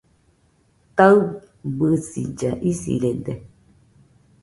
Taɨbisilla isirede